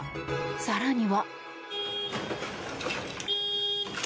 更には。